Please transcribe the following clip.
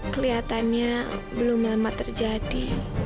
keliatannya belum lama terjadi